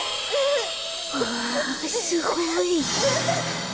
わあすごい。